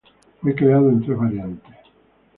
Fue creado en tres variantes.